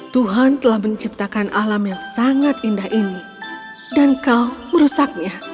tuhan telah menciptakan alam yang sangat indah ini dan kau merusaknya